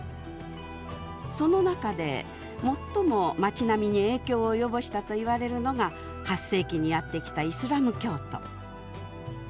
その中で最も街並みに影響を及ぼしたといわれるのが８世紀にやってきたイスラム教徒。